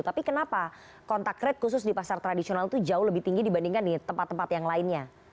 tapi kenapa kontak rate khusus di pasar tradisional itu jauh lebih tinggi dibandingkan di tempat tempat yang lainnya